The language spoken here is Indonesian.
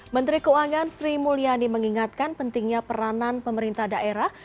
menteri keuangan sri mulyani mengingatkan pentingnya peranan pemerintah daerah